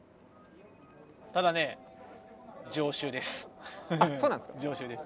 ただね常習です。